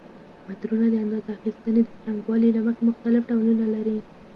مترونه د اندازه اخیستنې د څرنګوالي له مخې مختلف ډولونه لري.